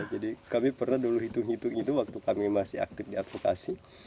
jadi kami pernah dulu hitung hitung itu waktu kami masih aktif di advokasi